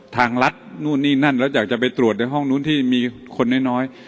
ทางรัฐนู่นนี่นั่นแล้วอยากจะไปตรวจในห้องนู้นที่มีคนน้อย